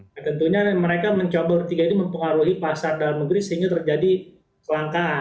nah tentunya mereka mencoba bertiga ini mempengaruhi pasar dalam negeri sehingga terjadi kelangkaan